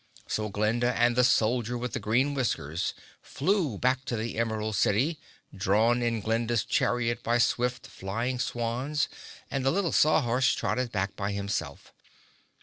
So Glinda and the Soldier with the Green Whiskers flew back to the Emerald City drawn in Glinda's chariot by swift flying swans and the little Saw Horse trotted back by himself.